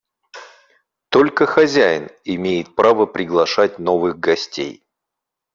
Только хозяин имеет право приглашать новых гостей.